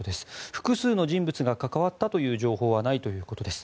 複数の人物が関わったという情報はないということです。